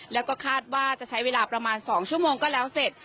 แล้วก็คาดว่าจะใช้เวลาประมาณ๒ชั่วโมงก็แล้วเสร็จ